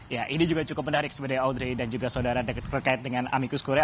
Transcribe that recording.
ya ini juga cukup menarik sebenarnya audrey dan juga saudara terkait dengan amicus korea